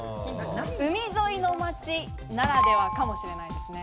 海沿いの街ならではかもしれないですね。